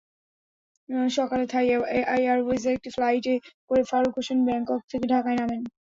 সকালে থাই এয়ারওয়েজের একটি ফ্লাইটে করে ফারুক হোসেন ব্যাংকক থেকে ঢাকায় নামেন।